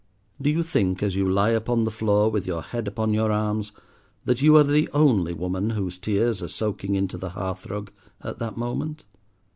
Do you think as you lie upon the floor with your head upon your arms, that you are the only woman whose tears are soaking into the hearthrug at that moment?